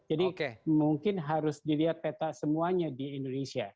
jadi mungkin harus dilihat peta semuanya di indonesia